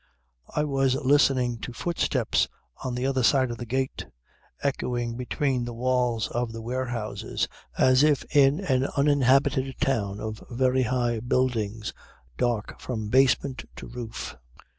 "I was listening to footsteps on the other side of the gate, echoing between the walls of the warehouses as if in an uninhabited town of very high buildings dark from basement to roof.